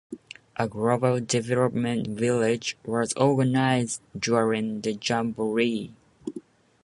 A Global Development Village was organized during the jamboree.